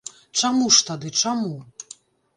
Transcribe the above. Чаму ж тады, чаму?